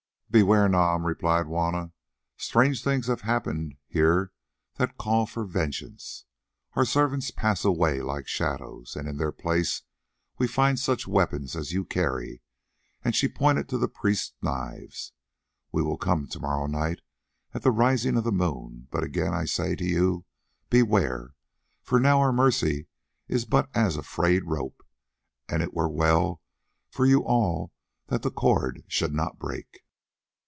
"Beware, Nam," replied Juanna; "strange things happen here that call for vengeance. Our servants pass away like shadows, and in their place we find such weapons as you carry," and she pointed to the priests' knives. "We will come to morrow night at the rising of the moon, but again I say to you, beware, for now our mercy is but as a frayed rope, and it were well for you all that the cord should not break."